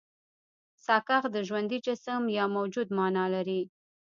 ساکښ د ژوندي جسم يا موجود مانا لري.